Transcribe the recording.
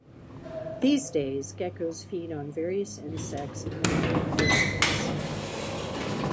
These day geckos fed on various insects and other invertebrates.